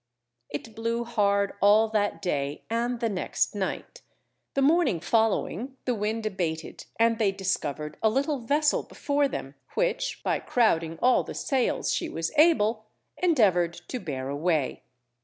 It blew hard all that day and the next night; the morning following the wind abated and they discovered a little vessel before them which, by crowding all the sails she was able, endeavoured to bear away.